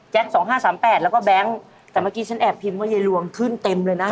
แจ็ค๒๕๓๘แล้วก็แบงค์แต่เมื่อกี้ฉันแอบพิมพ์ว่าเยลวงขึ้นเต็มเลยนะ